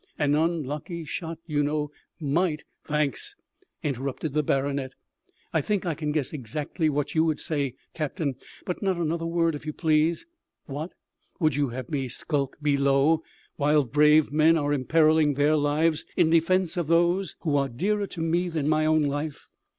An unlucky shot, you know, might " "Thanks," interrupted the baronet, "I think I can guess exactly what you would say, captain; but not another word, if you please. What? Would you have me skulk below while brave men are imperilling their lives in defence of those who are dearer to me than my own life?